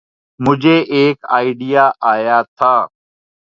مجھے ایک آئڈیا آیا تھا۔